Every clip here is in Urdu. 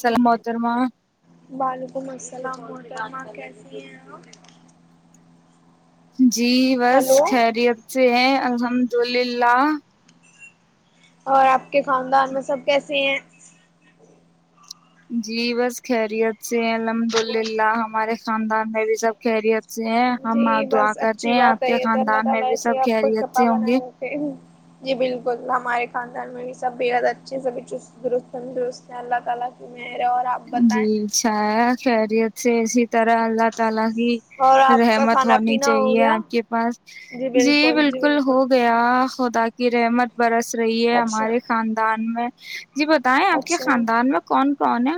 سل محترما وعلیکم السلام محکمہ کیسی ہیں آپ جی بس خیریت سے ہیں الحمد للہ لہ اور آپ کے خاندان میں سب کیسے ہیں جی بس خیریت سے ہیں الحمد للہ ہمارے خاندان میں بھی سب کہہ رہی سے ہمپ دعا کرتے ہیں آپ کے خاندان میں بھی سب خیریت سے ہوں گے جی بالکل ہمارے خاندان میں بھی سب ب حد اچھی سبستست درست ہیں اللہ تعالی کے جیھا خیریت جی اسی طرح اللہ تعالی رحمت ہونی چاہیے آپ کے پاس جی بالکل ہو گیا خدا کی رحمت برس رہی ہے ہمارے خاندان میں ج جی بتائیں آپ کے خاندان میں کون کون آ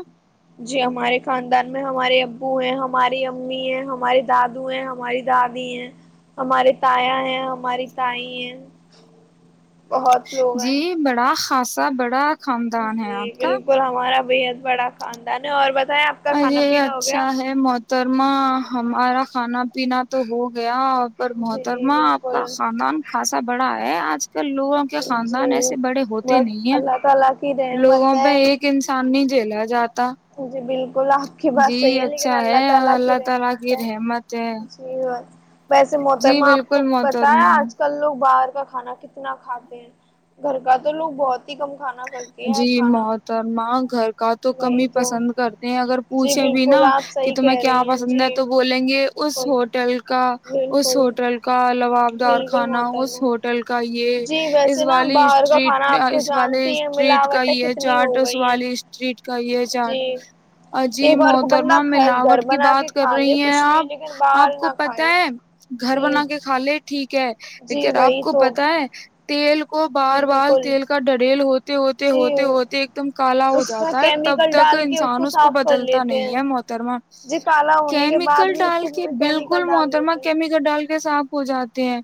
جی ہمارے خاندان میں ہمارے ابو ہیں ہماری امی ہیں ہمارے دادو ہیں ہماری دادی ہیں ہمارے تایا ہیں ہماری تائی ہیں جی بڑا خاص اسا بڑا جی بالکل ہمارا بےحد بڑا خاندان ہے اور ب ار یہ اچھا ہے محترمہ ہمارا کھانا پینا تو ہو گیا پر محترمہ آپ کا خاندان خاصا بڑا ہے آج پ لوگوں کے خاندان ایسے بڑے ہوتے نہیں ہیں لوگوں پہ ایک انسانی جلا جات کی بات صحیح ہے لیکن اللہ تعالا کے ویسے محترمہ آپ کو پتایا آج کل لوگ باہر کا کھانا کتنا کھاتے ہیں گھر کا تو لوگ بہت ہی کم کھانا جی متر ماں گھر کا تو کمی پسند کرتے ہیں اگر پوچھیں بھی نا کہ تمہیں کیا پسند ہے تو بولیں گے اس ہوٹل کا اس ہوٹل کا دارخانا اس ہوٹل کا یہ اس والی اسٹریٹ اس والے اسٹریٹ کا یہ چاٹ س والالی اسٹریٹ کا یہ چاٹ اجی محترمہ ملاوٹ کی بات کر رہی ہیں آپ آپ کو پتہ ہے گھر بنا کے کھا لے ٹھیک ہے لیکن آپ کو پت ہے تیل کو بار بار تیل کا ڈریل ہوتا ہوتے ہوتے ہوتے ایک دم کالا ہو جاتا ہے تب تک انسان اس کو بدلتا نہیں ہے محترما کیمیکل ڈال کے بالکل محترمہ کیمیکل ڈال کے صاف ہو جاتا ہیں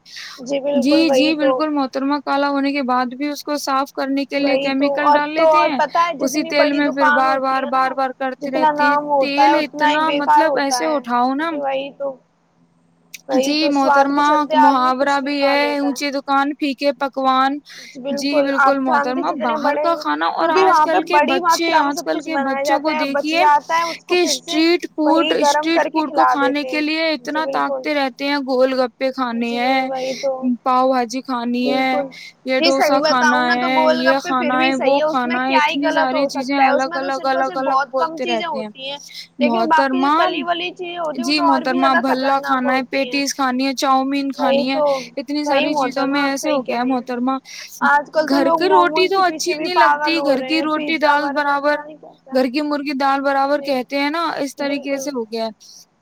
جی جی بالکل محترمہ کالا ہونے کے بعد بھی بھی اس کو صاف کر لیے کیمیکل ڈال لیتے ہیں اسی تیل میں پھر بار بار بار بار کرتے رہتے ہیں تیل اتنا مطلب ایسے اٹھاؤ نا جی محترما محاورہ بھی ہے اونچی دکان پ یک پکوان جی بالکل موت رما باہر کا کھانا اور آج کل کے بچے آج کل کے بچوں کو دیکھیے کہ اسٹریٹ فوڈ اسٹریٹ فوڈ کو کھانے کے لیے اتنا طاقتے رہتے ہیں گول گپے کھانے ہیں پاؤ بھاجی کھانی ہے یہ ڈوسا کھانا ہے یہ کھانا ہے وہ کھانا ہے اتنی ساری چیزیں الگ الگ الگ الگ بولتے رہتے ہیں محترما جی محترما بھلا کھانا ہے پیٹیز کھانی ہے چاؤمین کھانی ہے اتنی ساری چیزیں تو میں ایسے ہو گیا محترما گھر کہ روٹی تو اچھی نہیں لگتی گھر کی روٹی دال برابر گھر کی مرغی دال برابر کہتے ہیں نا اس طریقے سے ہو گیا ہے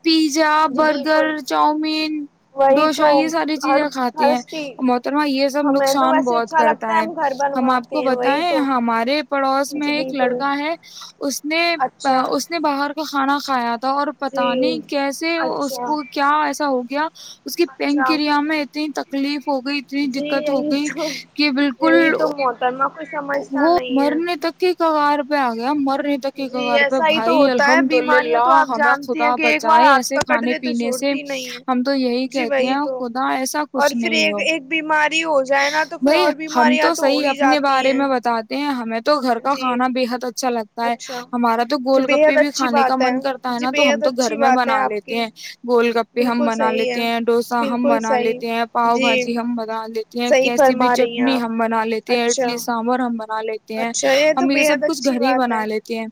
پی پ جا برگر چاؤمین ڈوشا یہ ساری چیزیں کھاتے ہیں اور محترم ہمیں تو ویسے اچھا لگتا ہے ہم گھر پر ہم آپ کو بتائیں ہمارے پڑوس میں ایک لڑکا ہے اس نے اس نے باہر کا کھانا کایا تھا دور پت نہیں کیسے اس کو کیا ایسا ہو اس کی پینکریا میں اتنی ہی تک پلیف ہو گئی اتنی دقت ہو گئی کہ بالکل وہ مرنے تک ہی کگار پہ آ گیا مر تار پہ بھائی الحمد اللہ ہمیں خدا بچائے ایسے کھانے پینے سے ہم تو یہی کہتے ہیں خدا ایسا کچھ نہیں ہو ہو جائے نا تو پھر اور بیماریاں تو ہو ہی جاتی ہیں ہمیں تو گھر کا کھانا بےحد اچھا لگتا ہے ہمارا تو گول گپے بھی کھانے کا من کرتا ہے نا تو ہم تو گھر میں بنا لیتے ہیں گولول گپے ہم بنا لیتے ہیں ڈوسا ہم بنا لیتے ہیں پاؤ بھاجی ہم بنا لیتے کیسی بھی چٹنی ہم بنا لیتے ہیں اڈلی سانبر ہم ہیں ہم یہ سب کچھ گھر ہی بنا لیتے ہیں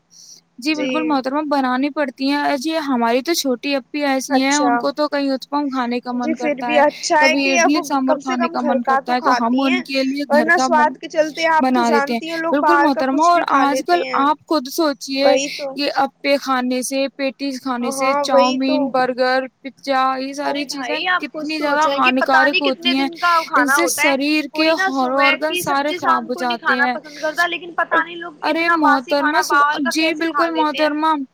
جی بالکل مترم ب انی پڑتی ہے ا جی ہماری تو چھوٹی ا ایسی ہیں ان کو تو کئی اتپم کھانے کا من کرتا ہے کبھی اڈلی سانبر کھے کا کا من کرتا ہے تو ہم ان کے لیے گھر کا بنا دیتے ہیں بالکل محترما اور آج کل آپ خود سوچیے کہ ا پ خانے سے پیٹ ز کھانے سے چاؤمین برگر یہ ساری چیزیں کتنی زیادہ ہان کارک ہوتی ہیں کا کھانا ہوتا ہے کوئی نہا سبح کی سبزی شام کو نہیں کھانا پسند کرتا لیکن پتا نہیں لوگ اتنا باسی کھانا باہر کا کیسے کھا لیتے ہیں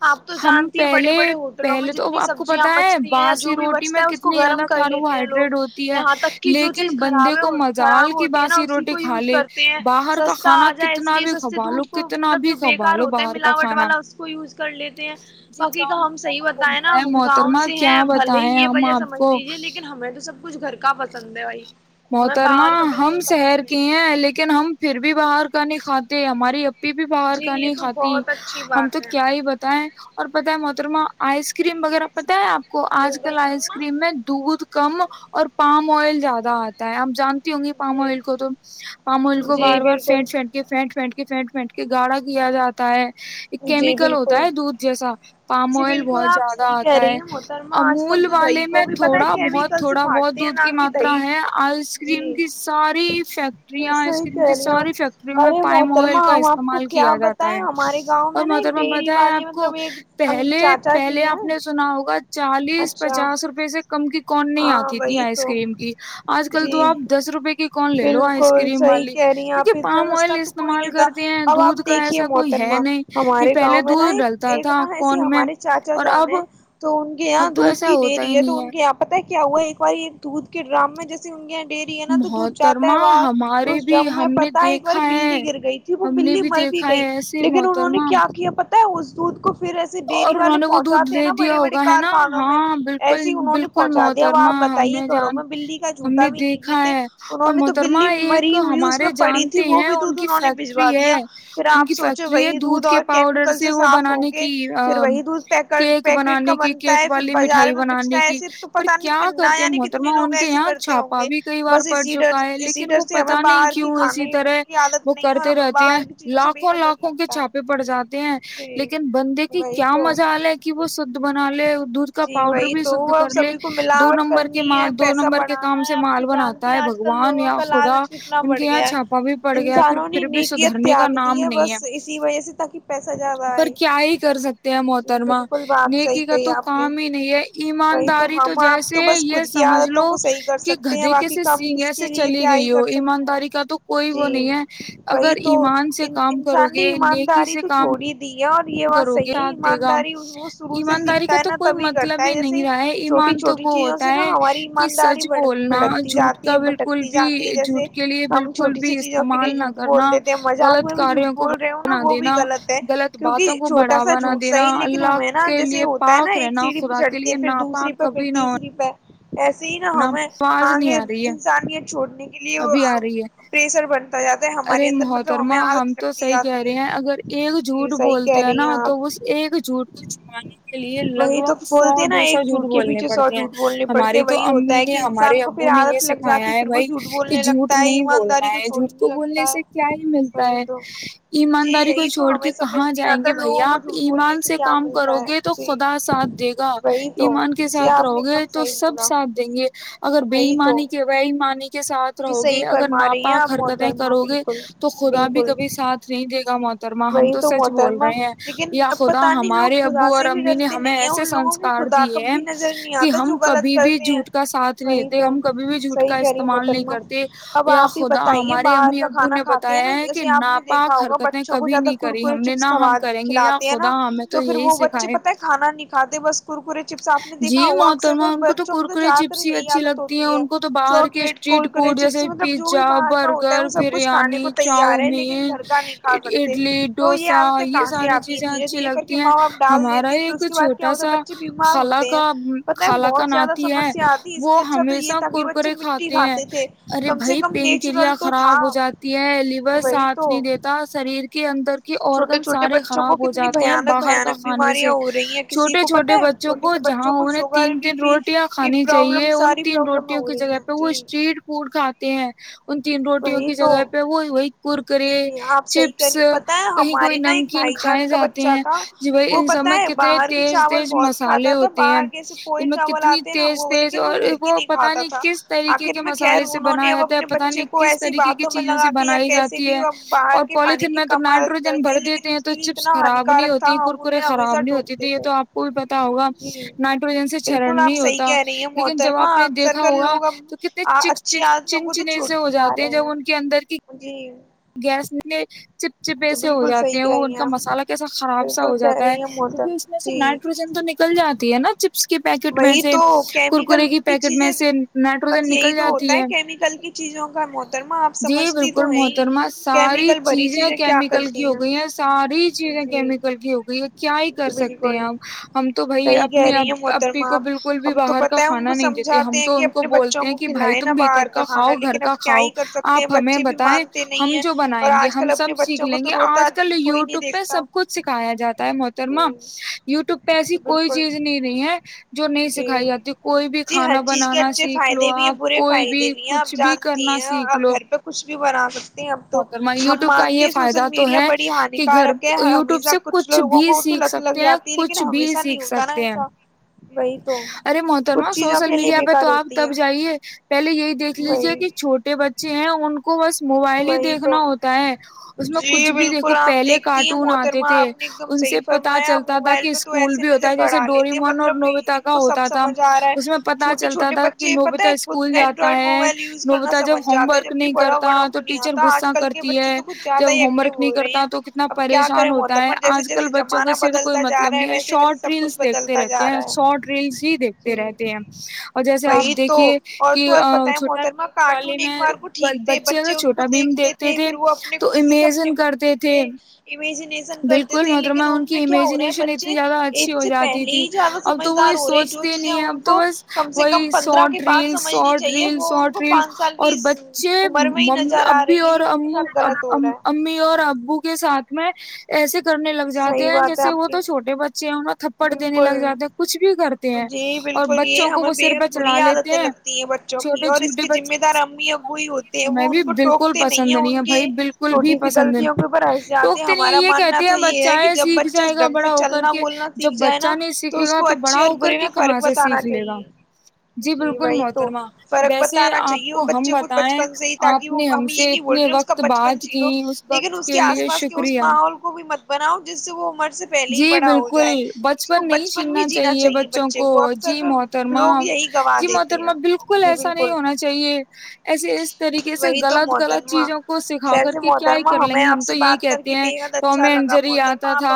آپ تو جانتی ہیں بڑے بڑے ہوٹلوں میں جتنی سبزیاں بچتی ہیں یا جو بھی بچتا ہے اس کو گرم کر لیتے ہیں لوگ یہاں تک کہ جو چیز خراب خراب ہوتی ہے نا اسی کو یوز کرتے ہیں سستا آ جائے اس لیے سستے دودھ کو مطلب جو بےیکار ہوتا ہے ملاوٹ والا اس کو یوز کر لیتے ہیں باقی کا ہم صحیح بتائے نا ہم گاؤں سے ہیں نہیں یہ وجہ سمجھ لیجیے لیکن ہمیں تو سب کچھ گھر کا پسند ہے بھائی محترما ہم شہر کی ہیں لیکن ہم پھر بھی باہر نہیں کاتے ہماری بھی باہر ک نہیں کھاتی ہم تو کیا ہی بتائیں اور پت ہے محترما آئس کریم وغیرہ پتہ ہے آپ کو آج کل آئس کریم میں دودھ کم اور پام موبائل زیادہ آ آپ جانتے ہوں گی پامول کو تو پامول کو بار بار فٹ فٹ کے فٹ فنٹ کے فٹ بیٹ کے گاڑا کیا جاتا ہے ایک کیمیکل ہوتا ہے دودھ جیسا پام آئل بہت زیادہ آتا ہے امول والے میں تھوڑا بہت تھوڑا بہت دودھ کی ماترا ہے آئس کریم کی ساری فیکٹریاں آئس کریم کی ساری فیکٹریوں میں پائم آئل کا استعمال کیا جاتا ہے اور محترمہ پتا ہے آپ کو پ پہلے پہلے آپ نے سنا ہوگا چالیس پچاس روپئے سے کم کی کون نہیں آتی تھی آئس کریم کی آج کل تو آپ دس روپے کی کون لے لو آئس کریم والی کیونکہ پام آئل استعمال کرتے ہیں دودھ کا ایسا کوئی ہے نہیں یہ پہلے دودھ ڈلتا تھا کون میں اور اب یہاں دودھ کی ڈیری ہے تو ان کے آپ کیا وہ ایک بار ایک دودھ کے ڈرام میں جیے ان کے ڈری ہے نا تو دور جاتا ہے باہ تو اس جم میں پتا ایک ب بلی گر گئی تھی وہ بلی مر بھی گئی لیکن انہوں نے کیا کیا پ اس دودھ کو پھر ایسے ڈیری والے پہنچاتے نا بڑے بڑے کارخانوں میں ایس ہی انہوں نے پہنچا دیا وہ آپ بتائیے گھروں میں بلی کا جھوٹا بھی نہیں پیتے انہوں نے تو بلی مری ہوئی اس میں پڑی تھی وہ بھی دودھ انہوں نے بجوا دیا پھر آپ سوچے وہی دودھ اور کیمیکل سے صاف ہوگ پھر وہی دودھ پ پیکٹ کا بنتا ہے پھر بازار میں بچتا ہے ایسے پر کیا کرتے ہیں محترما ان کے یہاں چھاپا بھی کئی بار پڑ چکا ہے لیکن وہ پتا نہیں کیوں اسی طرح وہ کرتے رہتے ہیں لاکھوں لاکھوں کے چھاپے پڑ جاتے ہیں لیکن بندے کی کیا مزہ آ ل ہے کہ وہ شدھ بنا لے دودھ کا پاؤڈر بھی شدھ کر سبھی کو ملاوٹ کرنی ہے پیسہ بڑھانا ہے اب تو جانتی ہیں آج کل لوگوں کا لالچ کتنا بڑھ گیا ہے انسانوں نے نیت تیاگ دی ہے بس اسی وجہ سے تاکہ پیسہ زیادہ آئے ہی کر سکتے ہیں محترما نیکی کا تو کام ہی نہیں ہے ایما تو جیسے یہ سمجھ لو کہ گدے کیس سگ سے چلی گئی ہو ایمانداری کا تو کوئی وہ نہیں ہے اگر ایمان سے کام کرو گے نیکی سے کام یہ اور یہ بات صحیح ایمانداری شروع سے سیکھتا ہے نا تبھی کرتا ہے جیسے ایمان تو وہ ہوتا ہے کہ سچ بولنا جھوٹ کا بالکل بھی جھوٹ کے لیے بالکل بھی استعمال نہ کرنا غلط کاروں کو بڑ نہ دینا غلط بات بڑھاوا نہ دینا اللہ کے لیئے پاک رہنا خدا کے لیے پھر دوسری پرہ پھر تیسری پہ ایسے ہی نا ہمیں آگے انسانیت ابھی آ رہی ہے ارے محترما ہم تو صحی کہہ رہے ہیں اگر ایک جھوٹ بولتے ہیں نا تو اس ایک جھوٹ کو چھپانے کے لیے لگ بھگ سو نا ایک جھوٹ کے پیھے سو جھوٹ بولنے پڑتے وہی ہوتا ہے کہ انسان کو پھر عادت لگ جاتی پھر وہ جھوٹ کہ جھوٹ نہیں بولنا ہے جھوٹ کو بولنے سے کیا ہی ملتا ہے ایمانداری کو چھوڑ کے کہاں جائیں گے بھیا آپ ایمان سے کام کرو گے تو خدا ساتھ دیکھ ایمان کے ساتھ رہو گے تو سب ساتھ دیں گے اگر بے ایمانی کے و ایمانی کے ساتھ رہو گے اگر ناپاک حرکتیں کرو گے تو خدا بھی کبھی ساتھ نہیں دے گا محترما ہم تو سچ بول رہے ہیں یا خدا ہمارے ابو اور امی نے ہمیں ایسے سنسکار دیے ہیں کہ ہم کبھی بھی جھوٹ کا ساتھ نہیں دیتے ہم کبھی بھی جھوٹ کا اب آپ ہی بتائیے باہر کا کھانا کھاتے ہیں نا جیسے آپ نے دیکھا ہوگا بچوں کو زیادہ کرکے چپسا کھلاتے ہیں نا تو پھر وہ بچے پتہ ہے کھانا نہیں کاتے بس کرکرے چپس جی موتم ہے ان کو تو کرکرے چپس ہی اچھی لگتی ہیں ان کو تو باہر کے کورکرے چپسی مطلب جو بھی باہر کا ہوتا ہے وہ سب کچھ کھانے کو تیار ہے لیکن گھر کا نہیں کھا سکتے تو یہ عادتیں کہاں سے آتی ہے دھیرے دھیرے کر کے ماں باپ ڈال دیتے پھر اس کے بعد کیا ہوتا ہے بچے بی خال کا خال کا ناتی ہے وہ ہمیشہ کرکرے کھاتے ہیں ارے بھائی پینکریا خراب ہو جاتی ہے لیور ساتھ نہیں دیتا سری یر کے اندر آرگن سارے خراب ہو جاتے ہیں باہر کا کھانے سے چھوٹے چھوٹے بچے جہاں انہوں نے تین تین روٹیاں کھانی چاہیے ان تین روٹیوں کی جگہ پہ وہ اسٹریٹ فوڈ کھاتے ہیں [inaudible] ان تین روٹیوں کی جگہ پہ وہ وہی کرکرے چپس کہیں کوئی نمکین کھائے جاتے ہیں جی وہی ان سب میں کتنے تیز تیز مس ہوتے ہیں ان میں کتنی تیز تیز اور وہ پتا نہیں کس طریقے کے مسالے سے بنایا جاتا ہے پت نہیں کس طریقے کی چیزوں سے بنائی جاتی ہے اور پوالتھین میں تو نائٹروجن بھر دیتے ہیں تو چپس خراب نہیں ہوتی کرکرے خراب نہیں ہوتی تھھی یہ تو آپ کو بھی پتا ہوگا نائٹروجن سے چرن نہیں ہوتا لیکن جب آپ نے دیکھا ہوگا تو کتنے چک چک چن چنے سے ہو جاتے ہیں جب ان کے اندر کی نے چپ چپ ایسے ہو جاتے ہیں وہ ان کا مسالا کیسا خراب سا ہو جاتا ہے کیونکہ اس میں سے نائٹروجن تو نکل جاتی ہے نا چ وہی تو کیمیکل کی چیزیں بس یہی تو ہوتا ہے کیمیکل کی چیزوں کا محترمہ آپ سمجھتی تو ہے ہی ترما ساری چیزیں کیمیکل کی ہو گئی ہیں ساری چیزیں کیمیکل کی ہو گئی ہے کیا ہی کر سکتے ہیں ہم ہم تو بھائی اپنے اب کو بالکل بھی باہر کا کھانا نہیں دیتے ہم تو ان کو بولتے ہیں کہ بھائی تم بھیتر کا کاؤ گھر کا کھاؤ آپ ہمیں بتیں ہم جو بنائیں گے ہم سب سیکھ لیں گے آج کل وٹیوب پہ سب کچھ سکھایا جاتا ہے محترما یوٹیوب پہ ایسی کوئی چیز نہیں نہیں ہے جو نہیں سکھائی جاتی کوئی بھی کھانا بنانا سیکھ لو آپ کوئی بھی کچھ بھی کرنا سیکھ لو بھی بنا سکتے ہم تو ہم مانتے ہیں سوشل میڈیا بڑی ہانیکارک ہے ہمیشہ کچھ لوگوں کو تو لت لگ جاتی ہے لیکن ہمیشہ نہیں ہوتا نا ایسا ارے محترما سوشل میڈیا پہ تو آپ تب جائیے پہلے یہی دیکھ لیجے کہ چھوٹے بچے ہیں ان کو بس موبائل ہی دیکھنا ہوتا ہے اس میں کچھ بھی دیکھو پہلے کارٹون آتے تھے ان سے پتا چلتا تھا کہ اسکول بھی ہوتا ہے جیسے ڈورم اور کا ہوتا تھا اس میں پتا چلتا تھا کہ نوبتا اسکول جاتا ہے نوبتا جب ہوم ورک نہیں کرتا تو ٹیچر غصا کرتی ہے جب ہوم ورک نہیں کرتا تو کتنا پریشان ہوتا ہے آج کل بچوں کو اس تو کوئی مطلب نہیں ہے شارٹ ریلس دیکھتے رہتے ہیں شارٹ ریلس ہی دیکھتے رہتے ہیں اور جیسے آپ دیکھیے کہ چھوٹا بندی والے میں بچے ان کو دھتے تھے پھر وہ اپنے خود کے س اپنے بنتے تھے امیج بالکل محترمہ ان کی امیجنییشن اتنی زیادہ اچھی ہو جاتی تھی اب تو وہ یہ سوچتے نہیں ہے اب تو بس وہی short reel short reel short reel اور بچے امی اور ابو کے ساتھ میں ایسے کرنے لگ جاتے ہیں جیسے وہ تو چھٹے بچے بچے نا تھپٹ دینے لگ جاتے ہیں کچھ بھی کرتے ہیں اور بچوں کو وہ سر پہ چڑھا لیتے ہیں چھوٹے چھوٹے بچوں کو سر پہ چڑھا لیتے یہ ہمیں بھی بالکل پسند نہیں ہے بھائی بالکل بھی پسند ہے تو ہمارا ماننا تو یہ ہے کہ جب بچہ ڈھنگ سے چلنا بولنا سیکھ جائے نا تو اس کو اچھے اور برے میں فرق بتانا چاہیے جی بی تو فرق بتانا چاہیے وہ بچے کو بچپن سے ہی تاکہ وہ ہم یہ نہیں بول رہے اس کا بچپن چھیلو لیکن اس کے آس پاس کے ماحول کو بھی مت بناؤ جس [inaudible] سے پہلے ہی بڑا ہو جائے بچپن نہیں چننا چاہیے بچوں کو جی محترمہ جی محترمہ بالکل ایسا نہیں ہونا چاہیے ایسے اس طریقے سے غلط غلط چیزوں کو سکھا کر کے کیا ہی کر لیں گے ہم تو یہی کہتے ہیں توؤ میں انجری آتا تھا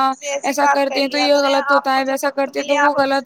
ایسا کرتے ہیں تو یہ غلط ہوتا ہے ویسا کرتے تو وہ لط ہو